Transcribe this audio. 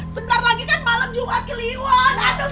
sebentar lagi kan malam jumat keliwon